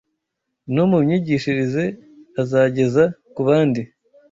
no mu myigishyirize azageza ku bandi.